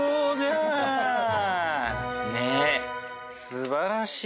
素晴らしい。